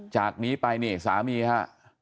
จากนี้ไปนี่สามีฮะ